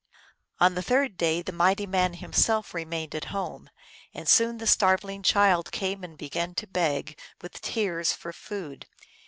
On the third day the mighty man himself remained at home, and soon the starveling child came and began to beg, with tears, for food.